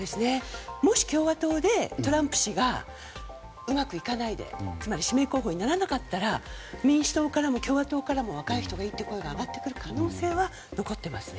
もし共和党でトランプ氏がうまくいかないでつまり指名候補にならなかったら民主党や共和党からも若い人がいいという声が上がってくる可能性がありますね。